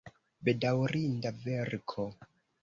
Bedaŭrinda verko!